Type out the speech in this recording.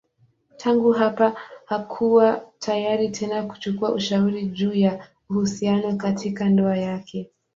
Tangu hapa hakuwa tayari tena kuchukua ushauri juu ya uhusiano katika ndoa yake.